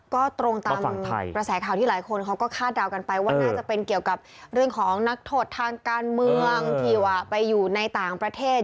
ก็ตรงตามกระแสข่าวที่หลายคนเขาก็คาดเดากันไปว่าน่าจะเป็นเกี่ยวกับเรื่องของนักโทษทางการเมืองที่ว่าไปอยู่ในต่างประเทศ